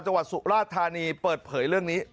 จังหวัดสุราธานีเปิดเผยเรื่องนี้